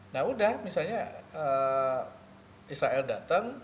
nah udah misalnya israel datang